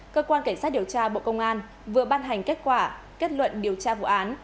cơ quan cảnh sát điều tra bộ công an vừa ban hành kết quả kết luận điều tra vụ án